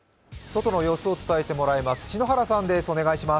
外の様子を伝えてもらいます。